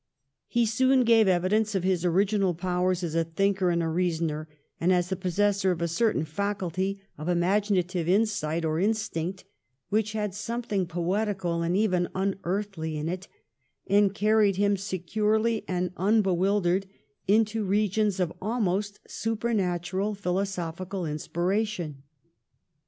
He soon gave evidence of his original powers as a thinker and a reasoner, and as the possessor of a certain faculty of imaginative insight or instinct which had something poetical and even unearthly in it, and carried him securely and unbewildered into regions of almost supernatural philosophical inspira tion.